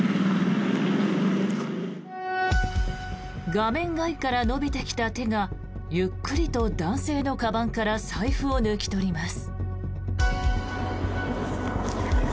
画面外から伸びてきた手がゆっくりと男性のかばんから財布を抜き取ります。